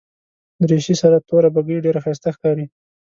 دریشي سره توره بګۍ ډېره ښایسته ښکاري.